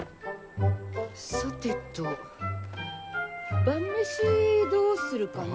さてと晩飯どうするかね？